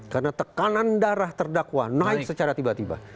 karena tekanan darah terdakwa naik secara tiba tiba